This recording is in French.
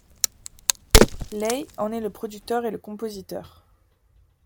Leigh en est le producteur et le compositeur.